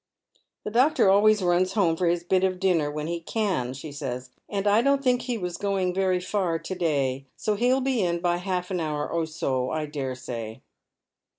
" The doctor always runs home for his bit of dinner when he can," she says, " and I don't think he "vas going very far to day, BO he'll be in by half an hour or so, I dare say."